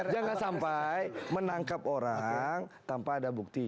jangan sampai menangkap orang tanpa ada bukti